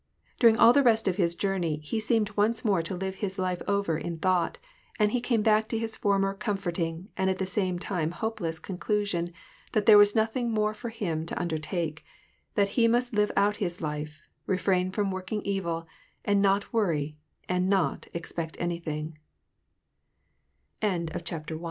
During all the rest of his journey he seemed once more to live his life over in thought, and he came back to his former comforting and at the same time hope less conclusion that there was nothing more for him to under take, that he must live out his life, refrain from working evil, and not worr